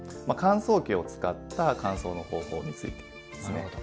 乾燥機を使った乾燥の方法についてですね。